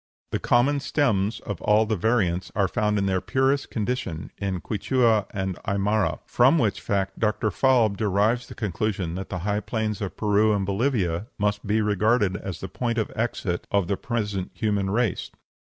The common stems of all the variants are found in their purest condition in Quichua and Aimara, from which fact Dr. Falb derives the conclusion that the high plains of Peru and Bolivia must be regarded as the point of exit of the present human race.